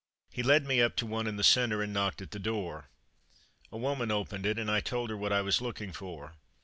He led me up to one in the centre, and knocked at the door. A woman opened it, and I told her what I was looking for.